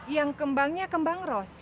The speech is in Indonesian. yang kembangnya kembang ros